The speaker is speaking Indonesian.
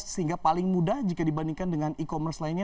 sehingga paling mudah jika dibandingkan dengan e commerce lainnya